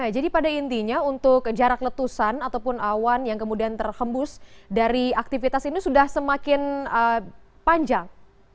jadi pada intinya untuk jarak letusan ataupun awan yang kemudian terhembus dari aktivitas ini sudah semakin panjang